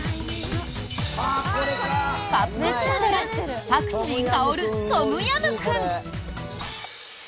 カップヌードルパクチー香るトムヤムクン。